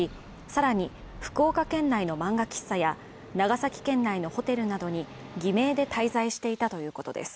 更に福岡県内の漫画喫茶や長崎県内のホテルなどに偽名で滞在していたということです。